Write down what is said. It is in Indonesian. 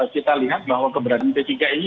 kita lihat bahwa keberadaan p tiga ini